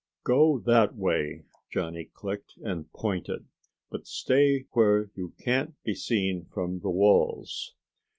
"Go that way," Johnny clicked, and pointed. "But stay where you can't be seen from the walls."